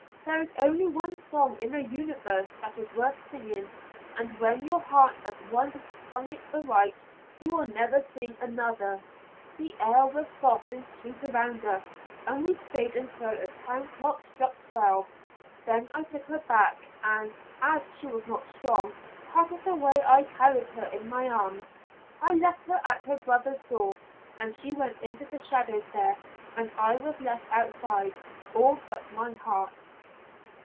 There is only one song in the universe that is worth singing, and when your heart has once sung it aright, you will never sing another. The air was soft and sweet around us, and we stayed until a town clock struck twelve; then I took her back, and, as she was not strong, part of the way I carried her in my arms. I left her at her brother's door, and she went into the shadows there, and I was left outside, all but my heart.